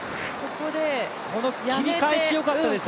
この切り返し、よかったですよね。